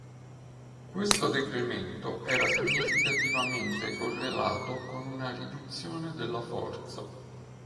Questo decremento era significativamente correlato con una riduzione della forza.